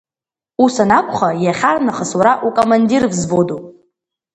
Ус анакәха, иахьарнахыс уара укамандир взводуп.